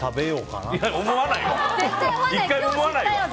１回も思わないよ。